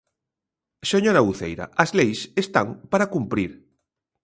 Señora Uceira, as leis están para cumprir.